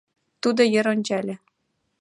Тудо йыр ончале.